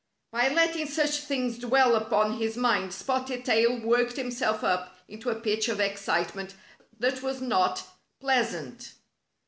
By letting such things dwell upon his mind. Spotted Tail worked himself up into a pitch of excitement that was not pleasant.